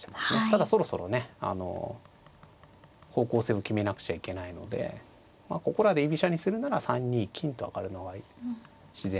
ただそろそろね方向性を決めなくちゃいけないのでここらで居飛車にするなら３二金と上がるのは自然な手ですね。